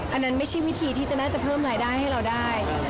อันนั้นไม่ใช่วิธีที่จะน่าจะเพิ่มรายได้ให้เราได้